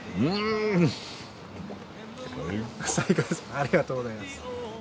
ありがとうございます。